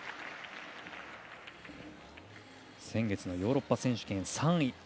先月のヨーロッパ選手権３位。